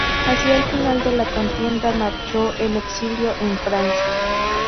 Hacia el final de la contienda marchó al exilio en Francia.